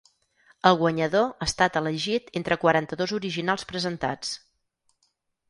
El guanyador estat elegit entre quaranta-dos originals presentats.